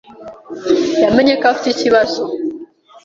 Yamenye ko afite ibibazo.